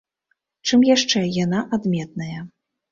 Чым яшчэ яна адметная?